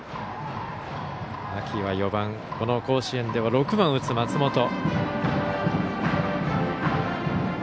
秋は４番甲子園では６番を打つ松本。